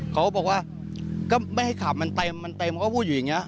เขาบอกว่าก็ไม่ให้ขับมันเต็มมันเต็มเขาก็พูดอยู่อย่างนี้